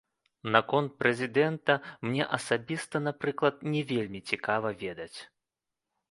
Наконт прэзідэнта мне асабіста, напрыклад, не вельмі цікава ведаць.